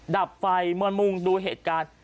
ดับไฟมวลมุมด้วยเหตุการณ์